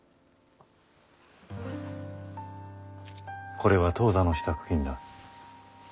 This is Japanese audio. これは当座の支度金だ。